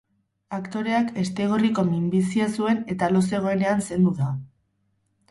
Aktoreak hestegorriko minbizia zuen eta lo zegoenean zendu da.